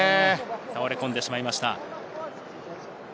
倒れ込んでしまいました。